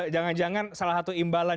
jangan jangan salah satu imbalan